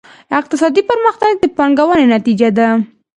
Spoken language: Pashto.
اقتصادي پرمختګ د پانګونې نتیجه ده.